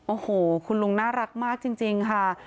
โอ้โหคุณลุงน่ารักมากจริงค่ะ